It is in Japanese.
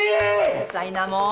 うるさいなもう！